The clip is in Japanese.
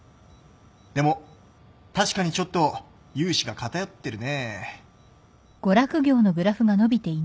でも確かにちょっと融資が偏ってるね。